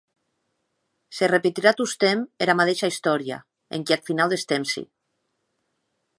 Se repetirà tostemp era madeisha istòria enquiath finau des tempsi.